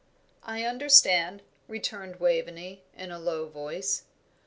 "I understand," returned Waveney, in a low voice.